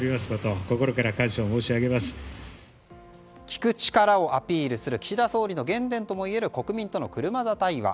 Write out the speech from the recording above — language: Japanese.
聞く力をアピールする岸田総理の原点ともいえる国民との車座対話。